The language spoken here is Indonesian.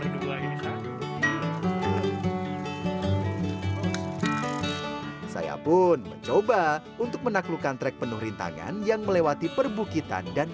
bad tiga meja saya pun mencoba untuk menaklukkan track penuh rintangan yang melewati perbukitan dan